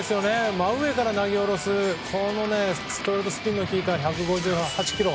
真上から投げ下ろすストレートスピンのきいた１５８キロ。